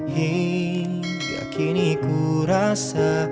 hingga kini ku rasa